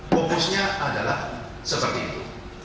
fokusnya adalah seperti itu